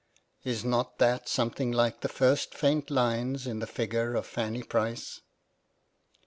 Is not that something like the first faint line in the figure of Fanny Price